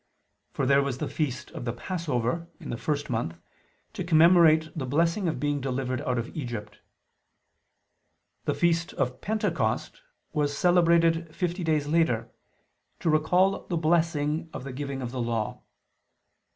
For there was the feast of the "Passover" in the first month to commemorate the blessing of being delivered out of Egypt. The feast of "Pentecost" was celebrated fifty days later, to recall the blessing of the giving of the Law.